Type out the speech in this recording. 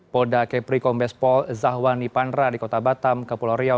polda kepri kombespol zahwani pandra di kota batam kepulau riau